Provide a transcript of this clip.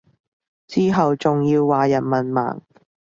之後仲要話人文盲